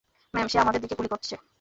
Ma'am, সে আমাদের দিকে গুলি করছে।